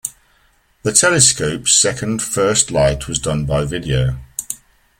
The telescopes second first light was done by video.